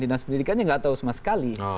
dinas pendidikannya nggak tahu sama sekali